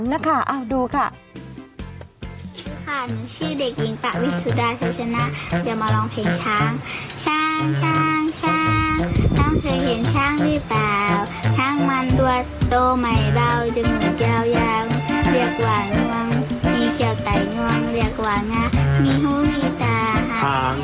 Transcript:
ชื่อเด็กหญิงปะวิสุดาเธอชนะเดี๋ยวมาร้องเพลงช้าง